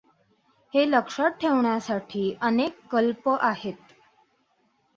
हे सर्व लक्षात ठेवण्यासाठी अनेक क्ऌप् त्या आहेत.